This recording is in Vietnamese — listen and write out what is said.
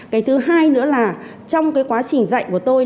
cái thứ hai nữa là trong cái quá trình dạy của tôi